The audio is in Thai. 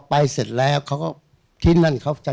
เสร็จแล้วเขาก็ที่นั่นเขาจะ